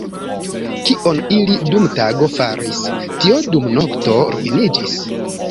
Kion ili dum tago faris, tio dum nokto ruiniĝis.